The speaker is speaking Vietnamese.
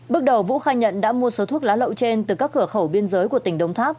bước đầu vũ khai nhận đã mua số thuốc lá lậu trên từ các cửa khẩu biên giới của tỉnh đồng tháp